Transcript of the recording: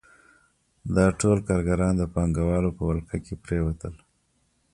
دا ټول کارګران د پانګوالو په ولکه کې پرېوتل